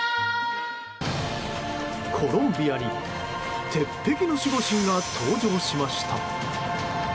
コロンビアに鉄壁の守護神が登場しました。